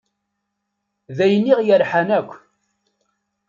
D ayen i ɣ-yerḥan akk.